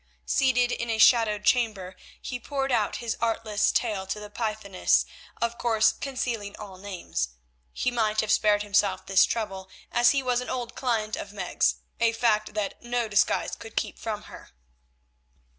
Seated in a shadowed chamber he poured out his artless tale to the pythoness, of course concealing all names. He might have spared himself this trouble, as he was an old client of Meg's, a fact that no disguise could keep from her.